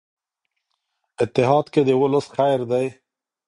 اتحاد کې د ولس خیر دی.